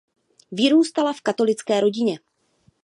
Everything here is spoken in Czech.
Vyrůstala v katolické rodině.